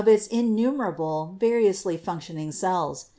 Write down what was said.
its innumerable variously functioning cells.